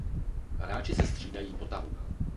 Hráči se střídají po tahu.